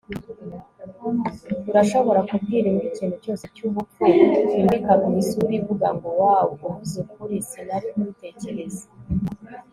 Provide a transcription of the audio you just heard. urashobora kubwira imbwa ikintu cyose cyubupfu, imbwa ikaguha isura ivuga ngo 'wow, uvuze ukuri! sinari kubitekereza!